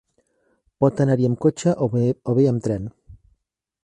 Pot anar-hi amb cotxe o bé amb tren.